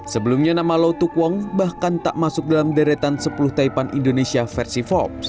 sebelumnya nama lautuk wong bahkan tak masuk dalam deretan sepuluh taipan indonesia versi forbes